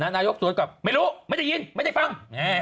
นายกสวนกลับไม่รู้ไม่ได้ยินไม่ได้ฟัง